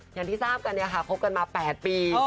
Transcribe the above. อย่างที่ทราบกันเนี่ยค่ะคบกันมา๘ปี